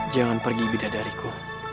jangan pergi beda dariku